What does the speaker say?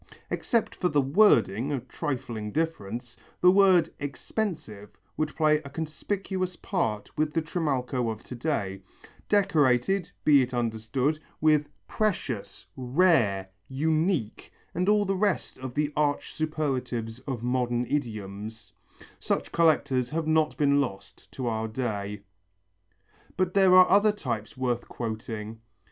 Except for the wording, a trifling difference the word "expensive" would play a conspicuous part with the Trimalcho of to day, decorated, be it understood, with "precious," "rare," "unique" and all the rest of the arch superlatives of modern idioms such collectors have not been lost to our day. But there are other types worth quoting.